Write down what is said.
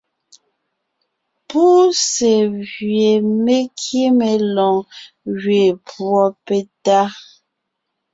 Púse gwie me kíme lɔɔn gẅeen púɔ petá.